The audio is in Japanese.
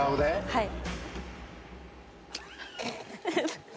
はい。